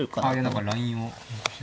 何かラインを。